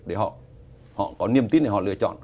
để họ có niềm tin để họ lựa chọn